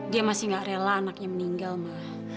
dia masih nggak rela anaknya meninggal ma